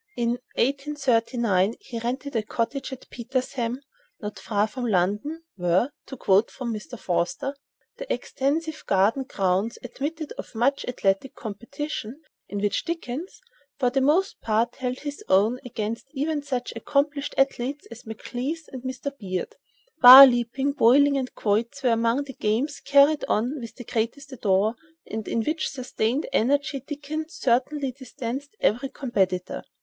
In 1839 he rented a cottage at Petersham, not far from London "where," to quote from Mr. Forster, "the extensive garden grounds admitted of much athletic competition, in which Dickens, for the most part, held his own against even such accomplished athletes as Maclise and Mr. Beard. Bar leaping, bowling and quoits were among the games carried on with the greatest ardor, and in sustained energy Dickens certainly distanced every competitor.